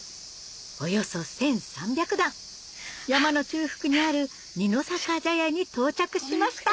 およそ１３００段山の中腹にある二の坂茶屋に到着しました・